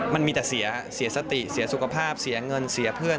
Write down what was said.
มันมีแต่เสียสติเสียสุขภาพเสียเงินเสียเพื่อน